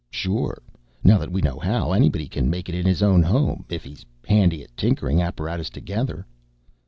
"Sure. Now that we know how, anybody can make it in his own home if he's handy at tinkering apparatus together."